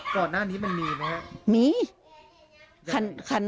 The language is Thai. ส่วนหน้านี้มันมีมั้ยครับ